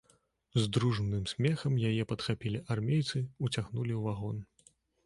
З дружным смехам яе падхапілі армейцы, уцягнулі ў вагон.